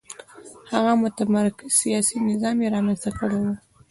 هغه متمرکز سیاسي نظام یې رامنځته کړی و.